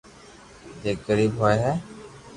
جي غريب ھوئي ھي